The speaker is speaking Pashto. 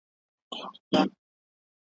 زه تر چا به چیغي یو سم زه تر کومه به رسېږم ,